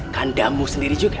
kandamu sendiri juga